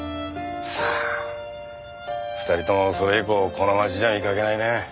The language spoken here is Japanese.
さあ２人ともそれ以降この街じゃ見かけないね。